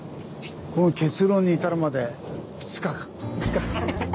この結論に至るまで２日間。